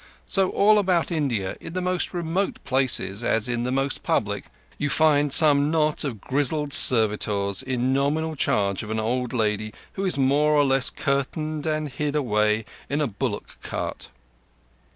So all about India, in the most remote places, as in the most public, you find some knot of grizzled servitors in nominal charge of an old lady who is more or less curtained and hid away in a bullock cart.